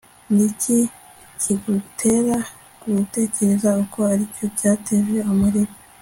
niki kigutera gutekereza ko aricyo cyateje umuriro